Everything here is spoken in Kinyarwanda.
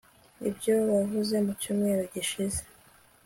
nibyo wavuze mu cyumweru gishize